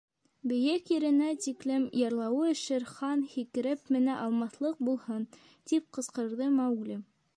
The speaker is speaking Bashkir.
Бейек еренә тиклем, ярлауы Шер Хан һикереп менә алмаҫлыҡ булһын, — тип ҡысҡырҙы Маугли.